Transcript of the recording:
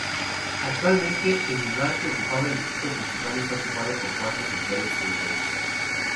Actualmente, el lugar que ocupaba el recinto principal está ocupado por cuatro santuarios sintoístas.